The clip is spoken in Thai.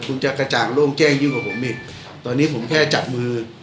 คุณจะกระจ่างโล่งแจ้งยิ่งกว่าผมอีกตอนนี้ผมแค่จับมือ